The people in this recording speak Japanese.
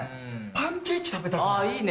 パンケーキ食べたいよな。